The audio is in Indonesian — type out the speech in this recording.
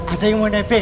ada yang mau nebek